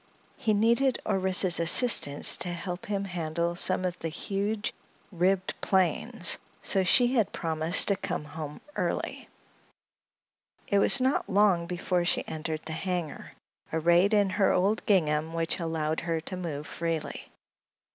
He needed Orissa's assistance to help him handle some of the huge ribbed planes, and so she had promised to come home early. It was not long before she entered the hangar, arrayed in her old gingham, which allowed her to move freely.